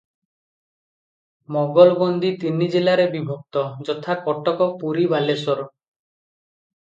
ମୋଗଲବନ୍ଦୀ ତିନି ଜିଲ୍ଲାରେ ବିଭକ୍ତ, ଯଥା:-କଟକ, ପୁରୀ ଓ ବାଲେଶ୍ୱର ।